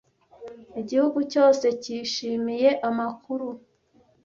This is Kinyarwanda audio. Igihugu cyose cyishimiye amakuru.